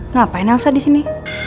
ngapain elsa disini